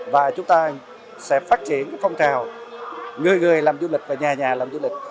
và chúng ta sẽ phát triển phong trào người người làm du lịch và nhà nhà làm du lịch